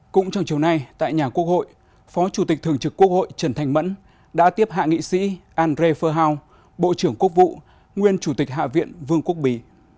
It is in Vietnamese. cũng trong chiều nay tại nhà quốc hội phó chủ tịch thường trực quốc hội trần thanh mẫn đã tiếp hạ nghị sĩ andre furhau bộ trưởng quốc vụ nguyên chủ tịch hạ viện vương quốc bỉ